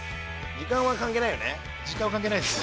時間は関係ないです。